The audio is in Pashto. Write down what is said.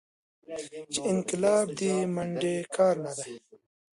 چې انقلاب دې منډې کار نه دى.